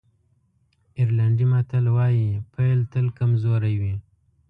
آیرلېنډی متل وایي پيل تل کمزوری وي.